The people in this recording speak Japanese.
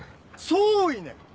そういね！